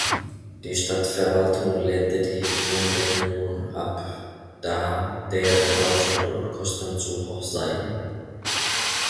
Die Stadtverwaltung lehnte die Umbenennung ab, da deren Aufwand und Kosten zu hoch seien.